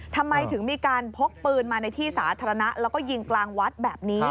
ทำไมถึงมีการพกปืนมาในที่สาธารณะ